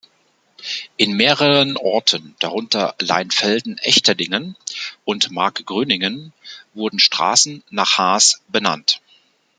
In mehreren Orten, darunter Leinfelden-Echterdingen und Markgröningen, wurden Straßen nach Haas benannt.